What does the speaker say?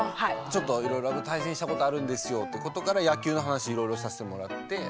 ちょっといろいろ対戦したことあるんですよってことから野球の話いろいろさせてもらって。